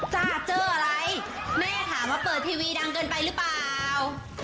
จ้าเจออะไรแม่ถามว่าเปิดทีวีดังเกินไปหรือเปล่า